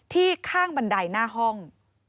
ข้างบันไดหน้าห้อง